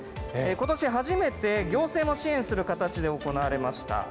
今年初めて行政も支援する形で行われました。